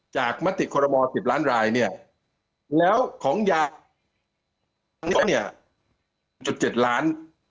จากมัธิโครโลโม๑๐ล้านรายแล้วของยาก๐๗ล้าน